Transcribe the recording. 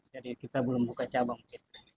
jadi kita belum buka cabang